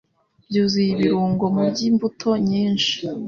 byuzuye ibirungo. Murye imbuto nyinshi,